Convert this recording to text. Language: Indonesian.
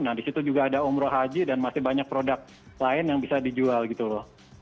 nah di situ juga ada umrohaji dan masih banyak produk lain yang bisa dijual gitu loh